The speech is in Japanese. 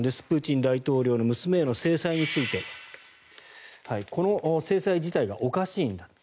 プーチン大統領の娘への制裁についてこの制裁自体がおかしいんだ。